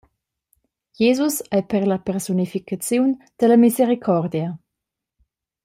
Jesus ei per ella persunificaziun dalla misericordia.